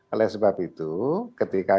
oleh sebab itu ketika